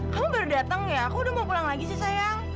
kamu baru datang ya aku udah mau pulang lagi sih sayang